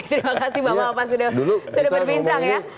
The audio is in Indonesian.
terima kasih bapak bapak sudah berbincang ya